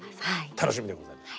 楽しみでございます。